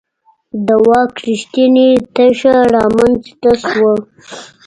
د واک رښتینې تشه رامنځته شوه.